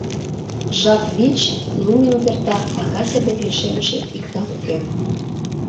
Жап вич, лу минут эрта, а катер дек лишемше иктат уке.